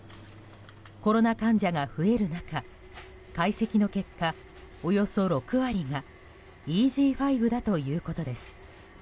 コロナ患者が増える中解析の結果およそ６割がＥＧ．５だということです。